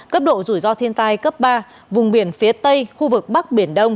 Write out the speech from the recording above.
cấp độ rủi ro thiên tai cấp ba vùng biển phía tây khu vực bắc biển đông